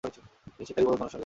তিনি শিকারি পর্বত অন্বেষণ করেন।